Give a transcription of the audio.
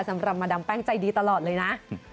สำหรับมาดามแป้งใจดีตลอดเลยนะ